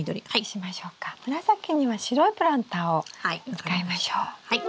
紫には白いプランターを使いましょう。